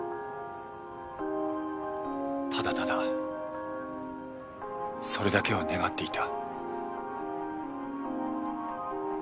ただただそれだけを願っていた。